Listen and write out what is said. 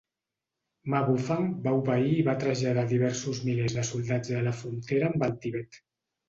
Ma Bufang va obeir i va traslladar diversos milers de soldats a la frontera amb el Tibet.